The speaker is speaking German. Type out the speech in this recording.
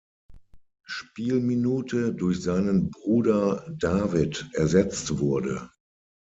Spielminute durch seinen Bruder David ersetzt wurde.